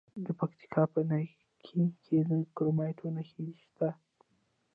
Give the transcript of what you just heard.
د پکتیکا په نکې کې د کرومایټ نښې شته.